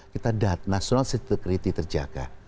kita national security terjaga